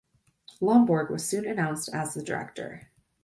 Lomborg was soon announced as the director.